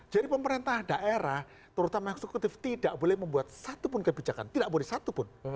jadi pemerintah daerah terutama eksekutif tidak boleh membuat satu pun kebijakan tidak boleh satu pun